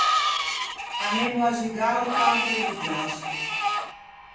Anemmo à zugâ a-o campo de Boggiasco.